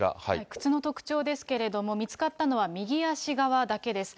靴の特徴ですけれども、見つかったのは、右足側だけです。